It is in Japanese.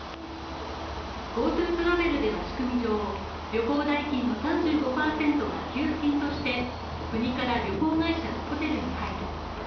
ＧｏＴｏトラベルでは仕組み上、旅行代金の３５％が給付金として国から旅行会社とホテルに入る。